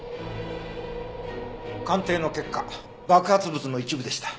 鑑定の結果爆発物の一部でした。